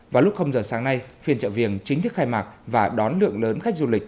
vào lúc giờ sáng nay phiên chợ viềng chính thức khai mạc và đón lượng lớn khách du lịch